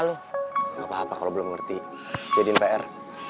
ngerti jadi pr